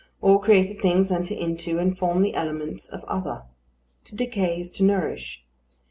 All created things enter into and form the elements of other. To decay is to nourish.